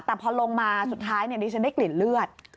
แต่พอลงมาสุดท้ายดิฉันได้กลิ่นเลือด